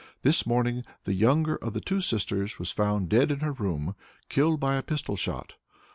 This morning the younger of the two sisters was found dead in her room, killed by a pistol shot.